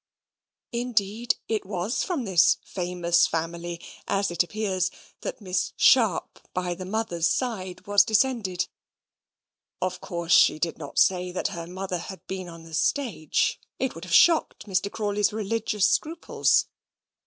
Indeed it was from this famous family, as it appears, that Miss Sharp, by the mother's side, was descended. Of course she did not say that her mother had been on the stage; it would have shocked Mr. Crawley's religious scruples.